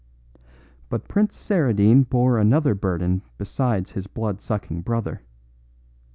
"But Prince Saradine bore another burden besides his blood sucking brother.